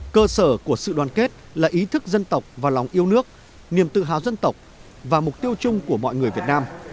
cơ sở của sự đoàn kết là ý thức dân tộc và lòng yêu nước niềm tự hào dân tộc và mục tiêu chung của mọi người việt nam